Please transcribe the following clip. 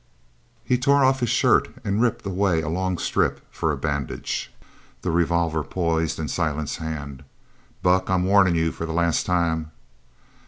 _" He tore off his shirt and ripped away a long strip for a bandage. The revolver poised in Silent's hand. "Buck, I'm warnin' you for the last time!"